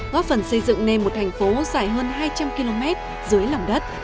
góp phần xây dựng nên một thành phố dài hơn hai trăm linh km dưới lòng đất